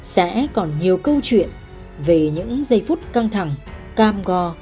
sẽ còn nhiều câu chuyện về những giây phút căng thẳng cam go